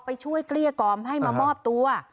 ช่วยเกลี้ยกล่อมให้มามอบตัว